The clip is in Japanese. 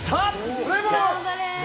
プレイボール！